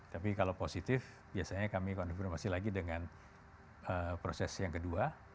tapi kalau positif biasanya kami konfirmasi lagi dengan proses yang kedua